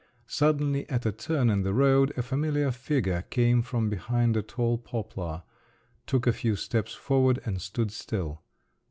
Suddenly at a turn in the road, a familiar figure came from behind a tall poplar, took a few steps forward and stood still.